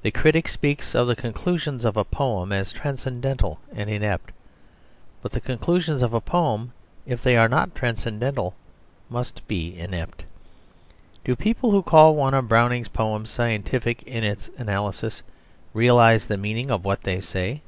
The critic speaks of the conclusions of a poem as "transcendental and inept"; but the conclusions of a poem, if they are not transcendental, must be inept. Do the people who call one of Browning's poems scientific in its analysis realise the meaning of what they say?